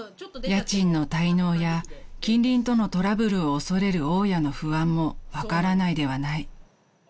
［家賃の滞納や近隣とのトラブルを恐れる大家の不安も分からないではない］